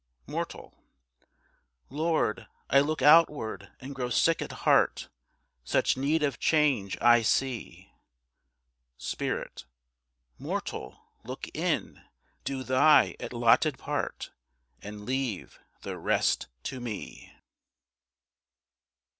Mortal. Lord, I look outward and grow sick at heart, Such need of change I see. Spirit. Mortal, look in. Do thy allotted part, And leave the rest to ME.